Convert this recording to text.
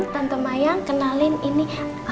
tante mayang kenalin ini